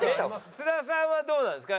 津田さんはどうなんですか？